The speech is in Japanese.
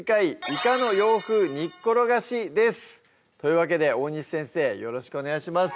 「イカの洋風煮っころがし」ですというわけで大西先生よろしくお願いします